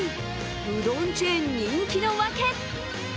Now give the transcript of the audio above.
うどんチェーン人気のワケ。